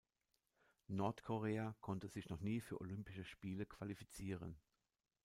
Nordkorea konnte sich noch nie für Olympische Spiele qualifizieren.